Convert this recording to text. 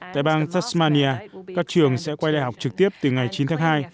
tại bang tasmania các trường sẽ quay đại học trực tiếp từ ngày chín tháng hai